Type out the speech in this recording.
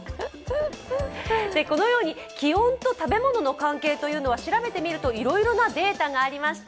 このように気温と食べ物の関係というのは調べてみると、いろいろなデータがありました。